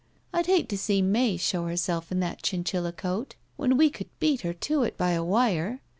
I'd hate to see May show herself in that chinchilla coat when we could beat her to it by a wire.